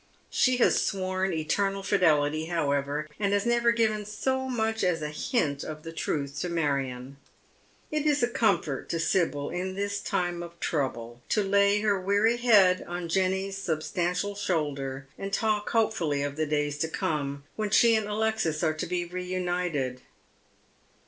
She has sworn eternal fidelity, however, and has never given so much as a hint of the truth to Marion. It is a comfort to Sibyl in this time of trouble to lay her weary bead on Jenny's substantial shoulder and talk hopefully of the days to come, when she and Alexis are to be reunited.